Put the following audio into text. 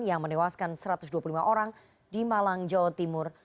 yang menewaskan satu ratus dua puluh lima orang di malang jawa timur